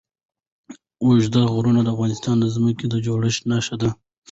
اوږده غرونه د افغانستان د ځمکې د جوړښت نښه ده.